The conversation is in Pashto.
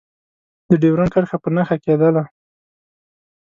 د ډیورنډ کرښه په نښه کېدله.